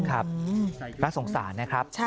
ครับน่าสงสารนะครับ